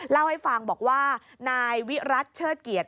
เล่าให้ฟังบอกว่านายวิรัติเชิดเกียรติ